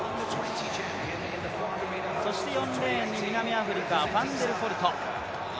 そして４レーンに、南アフリカファンデルフォルト。